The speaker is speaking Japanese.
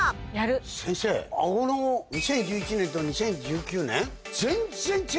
先生顎の２０１１年と２０１９年全然違うのは。